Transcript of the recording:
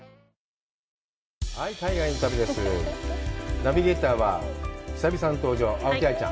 ナビゲーターは、久々の登場、青木愛ちゃん。